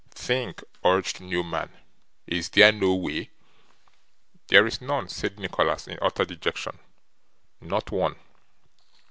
'Think,' urged Newman. 'Is there no way?' 'There is none,' said Nicholas, in utter dejection. 'Not one.